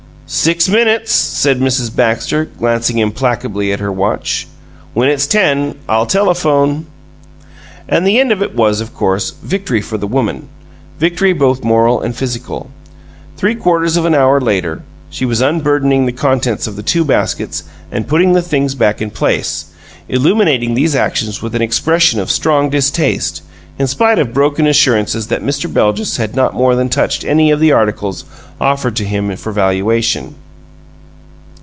"Six minutes," said Mrs. Baxter, glancing implacably at her watch. "When it's ten I'll telephone." And the end of it was, of course, victory for the woman victory both moral and physical. Three quarters of an hour later she was unburdening the contents of the two baskets and putting the things back in place, illuminating these actions with an expression of strong distaste in spite of broken assurances that Mr. Beljus had not more than touched any of the articles offered to him for valuation.